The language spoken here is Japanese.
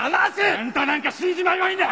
あんたなんか死んじまえばいいんだ！